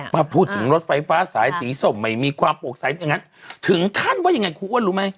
มาพูดถึงรถไฟฟ้าสายสีส้มไม่มีความโปรกใสถึงท่านว่ายังไงครูอ้วนรู้ไหม